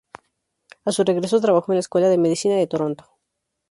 A su regreso, trabajó en la Escuela de Medicina de Toronto.